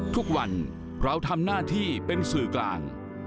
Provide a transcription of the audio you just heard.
ทุกวันเราทำหน้าที่เป็นสื่อกลาง